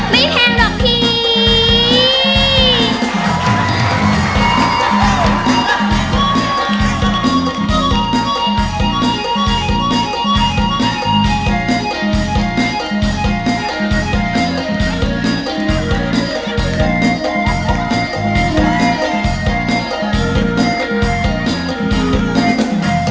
ไม่แพงหรอกพี่